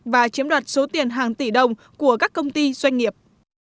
và chiếm đoạt số tiền hàng tỷ đồng của các công ty doanh nghiệp